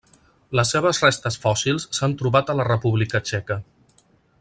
Les seves restes fòssils s'han trobat a la República Txeca.